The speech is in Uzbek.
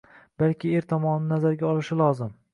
Balki er tomonini nazarga olishi lozim.